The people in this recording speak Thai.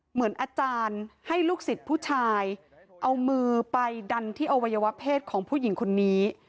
เหมือนอาจารย์ให้ลูกศิษย์ผู้ชายเอามือไปดันที่อวัยวะเพศของผู้หญิงคนนี้